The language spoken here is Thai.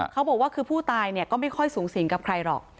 เขาบอกว่าคือผู้ตายก็ไม่ค่อยสูงสิงกับใครหรอก